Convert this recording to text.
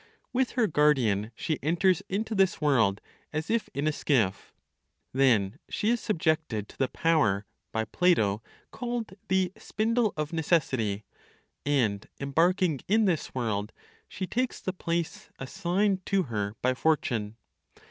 With her guardian she enters into this world as if in a skiff. Then she is subjected to the power (by Plato) called the Spindle of Necessity; and, embarking in this world, she takes the place assigned to her by fortune.